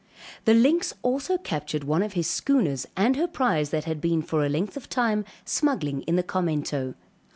The Lynx also captured one of his schooners, and her prize that had been for a length of time smuggling in the Carmento.